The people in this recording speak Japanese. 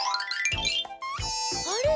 あれ！？